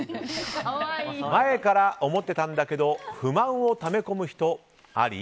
前から思ってたんだけどと不満をため込む人、あり？